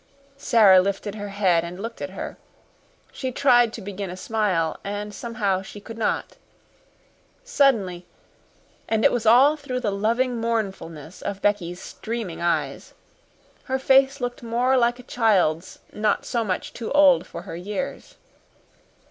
Sara lifted her head and looked at her. She tried to begin a smile, and somehow she could not. Suddenly and it was all through the loving mournfulness of Becky's streaming eyes her face looked more like a child's not so much too old for her years.